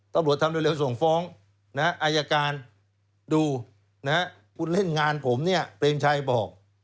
ตำรวจทำเร็วส่งฟ้องอายการดูคุณเล่นงานผมเนี่ยเปรมชัยบอก